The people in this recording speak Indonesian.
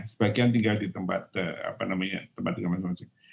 sebagian tinggal di tempat apa namanya tempat tinggal masing masing